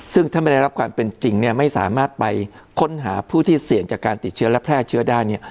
ซึ่งถ้าไม่ได้รับความเป็นจริงเนี่ยไม่สามารถไปค้นหาผู้ที่เสี่ยงจากการติดเชื้อและแพร่เชื้อได้เนี่ย